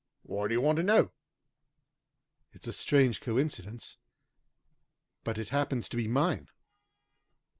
Why do you want to know?" "It's a strange coincidence, but it happens to be mine."